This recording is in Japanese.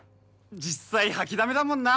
実際掃きだめだもんな